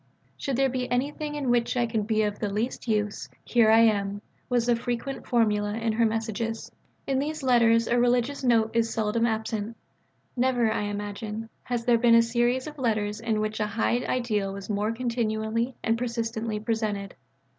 "Should there be anything in which I can be of the least use, here I am": this was a frequent formula in her messages. In these letters a religious note is seldom absent. Never, I imagine, has there been a series of letters in which a high ideal was more continually and persistently presented.